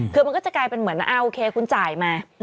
คือมันก็จะกลายเป็นเหมือนโอเคคุณจ่ายมา